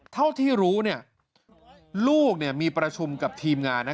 เท่าที่รู้ลูกมีประชุมกับทีมงาน